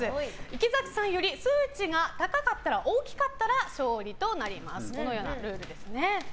池崎さんより数値が高かったら大きかったら勝利となります。